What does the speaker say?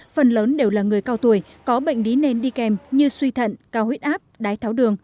phần lớn đều là người cao tuổi có bệnh lý nền đi kèm như suy thận cao huyết áp đái tháo đường